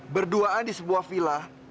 berduaan di sebuah vila